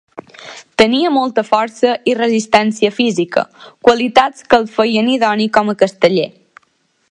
Tenia molta força i resistència física, qualitats que el feien idoni com a casteller.